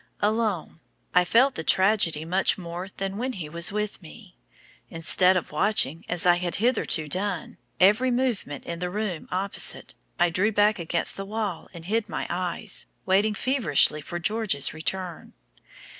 Alone, I felt the tragedy much more than when he was with me. Instead of watching, as I had hitherto done, every movement in the room opposite, I drew back against the wall and hid my eyes, waiting feverishly for George's return.